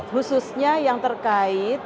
khususnya yang terkait